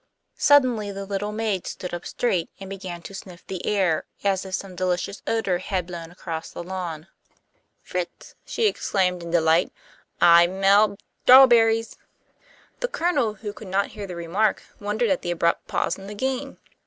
Suddenly the little maid stood up straight, and began to sniff the air, as if some delicious odour had blown across the lawn. "Fritz," she exclaimed, in delight, "I 'mell 'trawberries!" The Colonel, who could not hear the remark, wondered at the abrupt pause in the game.